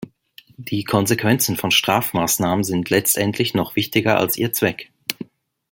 Die Konsequenzen von Strafmaßnahmen sind letztendlich noch wichtiger als ihr Zweck.